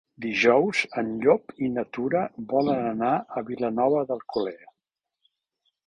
Dijous en Llop i na Tura volen anar a Vilanova d'Alcolea.